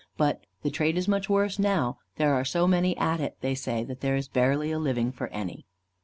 But the trade is much worse now: there are so many at it, they say, that there is barely a living for any."